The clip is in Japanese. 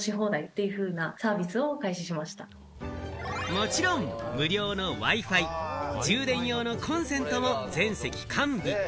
もちろん無料のＷｉ−Ｆｉ、充電用のコンセントも全席完備。